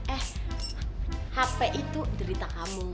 eh hp itu derita kamu